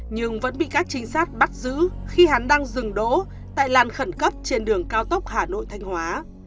nhưng vẫn bị các trinh sát bắt giữ khi hắn đang dừng đỗ tại làn khẩn cấp trên đường cao tốc hà nội thanh hóa